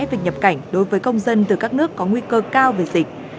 việc nhập cảnh đối với công dân từ các nước có nguy cơ cao về dịch